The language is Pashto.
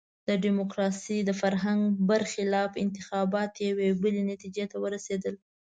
د ډیموکراسۍ د فرهنګ برخلاف انتخابات یوې بلې نتیجې ته ورسېدل.